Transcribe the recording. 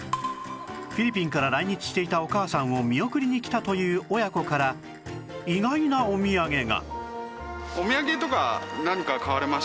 フィリピンから来日していたお母さんを見送りに来たという親子から意外なお土産が！